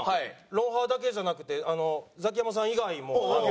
『ロンハー』だけじゃなくてザキヤマさん以外も。